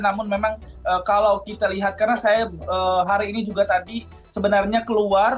namun memang kalau kita lihat karena saya hari ini juga tadi sebenarnya keluar